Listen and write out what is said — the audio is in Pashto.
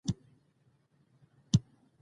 د نجونو تعلیم د سایبري جرمونو مخه نیسي.